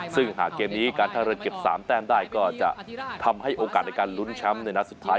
ซึ่งหากเกมนี้การท่าเรือเก็บ๓แต้มได้ก็จะทำให้โอกาสในการลุ้นแชมป์ในนัดสุดท้าย